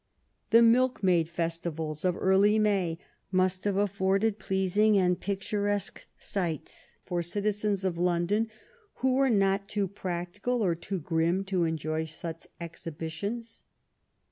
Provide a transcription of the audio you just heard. The milkmaid festivals of early May must have afforded pleasing and picturesque sights for citi zens of London who were not too practical or too grim to enjoy such exhibitions.